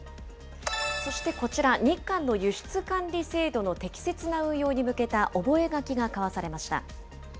そしてこちら、日韓の輸出管理制度の適切な運用に向けた覚書が交わされました。